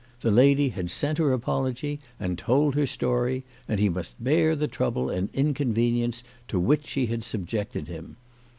The lady had sent her apology, and told her story, and he must bear the trouble and in convenience to which she had subjected him.